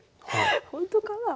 ほんとかなあ？